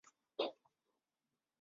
他在刘邦手下为谒者。